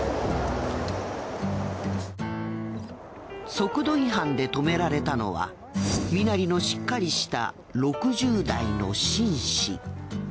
速度違反で止められたのは身なりのしっかりした６０代の紳士。